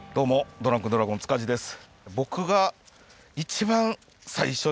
ドランクドラゴン塚地です。